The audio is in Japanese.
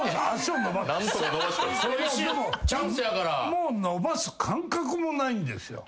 もう伸ばす感覚もないんですよ。